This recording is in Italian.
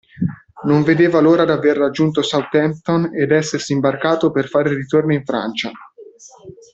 Non vedeva l'ora d'aver raggiunto Southampton e d'essersi imbarcato per far ritorno in Francia.